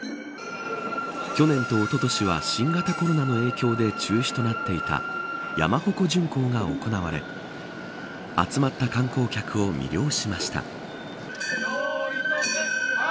去年とおととしは新型コロナの影響で中止となっていた山鉾巡行が行われ集まった観光客を魅了しました。